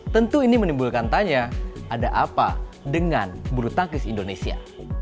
tentu ini menimbulkan tanya ada apa dengan bulu tangkis indonesia